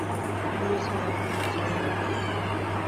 Luisa era prima segunda de Ingrid.